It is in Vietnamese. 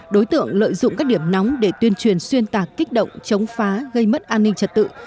đối tượng lợi dụng các điểm nóng để tuyên truyền xuyên tạc kích động chống phá gây mất an ninh trật tự